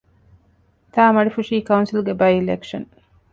ތ.މަޑިފުށީ ކައުންސިލްގެ ބައި-އިލެކްޝަން